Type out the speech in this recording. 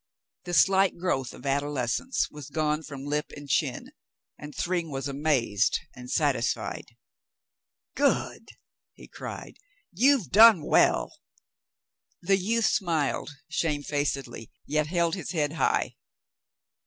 The slight growth of adolescence was gone from lip and chin, and Thryng was amazed and satisfied. "Good," he cried. "You've done well." The youth smiled shamefacedly, yet held his head high.